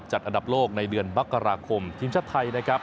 อันดับโลกในเดือนมกราคมทีมชาติไทยนะครับ